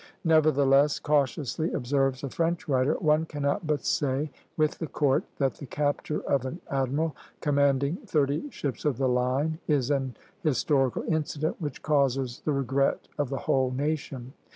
"Nevertheless," cautiously observes a French writer, "one cannot but say, with the Court, that the capture of an admiral commanding thirty ships of the line is an historical incident which causes the regret of the whole nation."